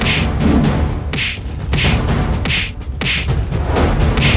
aku akan mengalahkannya